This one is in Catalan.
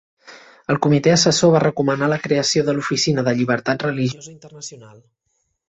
El comitè assessor va recomanar la creació de l'Oficina de Llibertat Religiosa Internacional.